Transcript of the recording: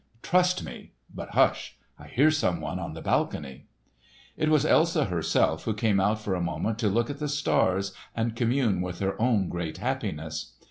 "Trust me—but hush! I hear someone on the balcony!" It was Elsa herself, who came out for a moment to look at the stars and commune with her own great happiness.